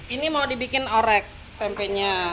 ini mau dibikin orek tempenya